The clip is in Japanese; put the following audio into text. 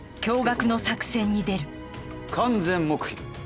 完全黙秘だ！